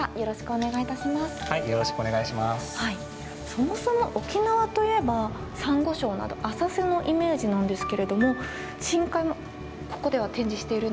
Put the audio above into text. そもそも沖縄の海といえばサンゴ礁など浅瀬のイメージなんですけれども深海もここでは展示しているんですか？